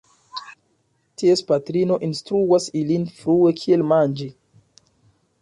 Ties patrino instruas ilin frue kiel manĝi.